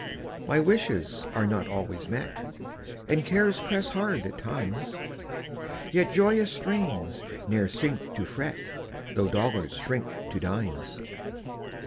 My wishes are not always met, And cares press hard at times; Yet joyous strains ne'er sink to fret, Tho' dollars shrink to dimes.